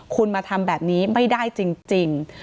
คุณมาทำแบบนี้ไม่ได้จริง